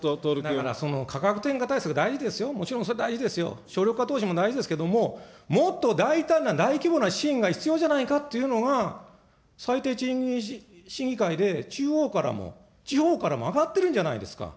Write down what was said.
だから価格転嫁対策、大事ですよ、もちろんそれ大事ですよ、省力化投資も大事ですけれども、もっと大胆な大規模な支援が必要じゃないかっていうのが、最低賃金審議会で、中央からも地方からも上がってるんじゃないですか。